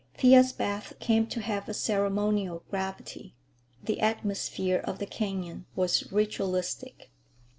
Thea's bath came to have a ceremonial gravity. The atmosphere of the canyon was ritualistic.